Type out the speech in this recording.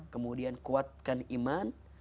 kemudian kuatkan iman